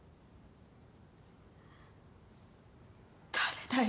誰だよ？